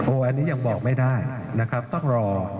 อันนี้ยังบอกไม่ได้นะครับต้องรอ